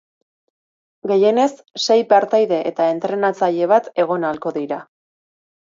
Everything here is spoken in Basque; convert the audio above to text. Gehienez sei partaide eta entrenatzaile bat egon ahalko dira.